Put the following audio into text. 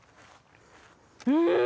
うん！